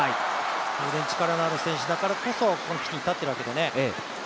当然、力のある選手だからこそこのピッチに立っているわけでね。